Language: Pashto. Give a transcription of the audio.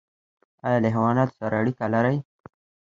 ایا له حیواناتو سره اړیکه لرئ؟